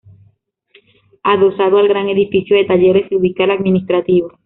Adosado al gran edificio de talleres se ubica el administrativo.